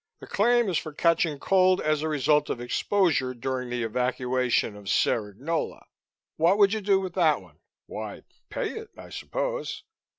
The claim is for catching cold as a result of exposure during the evacuation of Cerignola. What would you do with that one?" "Why pay it, I suppose."